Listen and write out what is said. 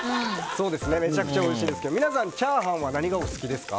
めちゃくちゃおいしいですけど皆さんチャーハンは何がお好きですか？